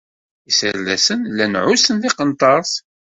Iserdasen llan ɛussen tiqenṭert.